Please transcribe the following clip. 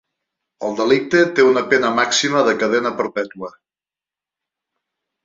El delicte té una pena màxima de cadena perpetua.